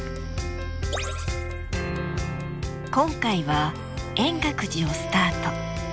今回は円覚寺をスタート。